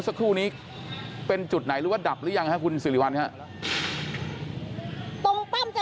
คุณท่าภูมิค่ะเป็นป้ำจรจรที่อยู่ตรงเกาะพญาไทยเลยที่ไฟไหม้ค่ะ